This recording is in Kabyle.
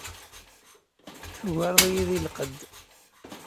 Tugareḍ-iyi deg lqedd.